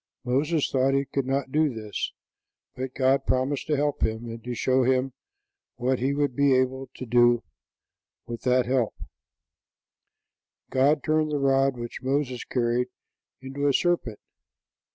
Moses thought he could not do this; but God promised to help him, and to show him what he would be able to do with that help, God turned the rod which Moses carried into a serpent.